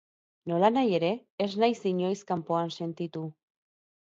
Nolanahi ere ez naiz inoiz kanpoan sentitu.